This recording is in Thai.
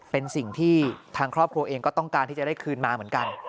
เป็นสิ่งที่ทางครอบครัวเองก็ต้องการที่จะได้คืนมาเหมือนกัน